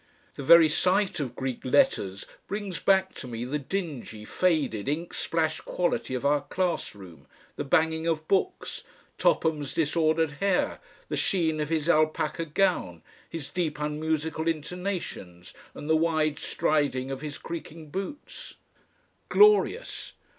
The very sight of Greek letters brings back to me the dingy, faded, ink splashed quality of our class room, the banging of books, Topham's disordered hair, the sheen of his alpaca gown, his deep unmusical intonations and the wide striding of his creaking boots. Glorious!